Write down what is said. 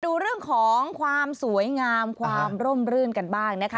ดูเรื่องของความสวยงามความร่มรื่นกันบ้างนะคะ